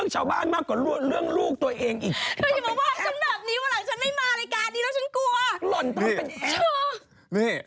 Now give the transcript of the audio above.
จะไปทำกับใครละ